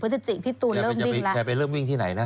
พฤศจิกพี่ตูนเริ่มวิ่งแล้วแค่ไปเริ่มวิ่งที่ไหนนะ